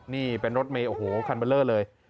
นี่เป็นรถเมย์โอ้โหคันเบอร์เลอร์เลย